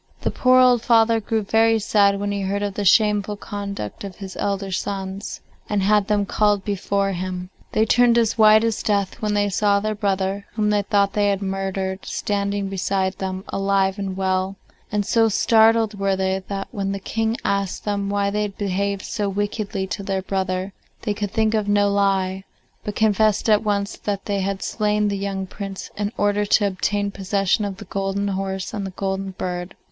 The poor old father grew very sad when he heard of the shameful conduct of his elder sons, and had them called before him. They turned as white as death when they saw their brother, whom they thought they had murdered, standing beside them alive and well, and so startled were they that when the King asked them why they had behaved so wickedly to their brother they could think of no lie, but confessed at once that they had slain the young Prince in order to obtain possession of the golden horse and the golden bird.